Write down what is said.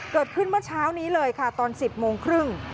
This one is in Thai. เกิดขึ้นเมื่อเช้านี้เลยค่ะตอน๑๐โมงครึ่ง